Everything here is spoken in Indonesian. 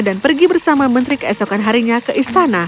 dan pergi bersama menteri keesokan harinya ke istana